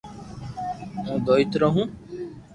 ھون دوئيترو ھون